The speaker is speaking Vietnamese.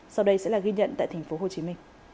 sau đây sẽ là ghi nhận tại tp hcm